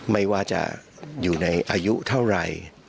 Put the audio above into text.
ไม่ว่าจะอยู่ในอายุเท่าไหร่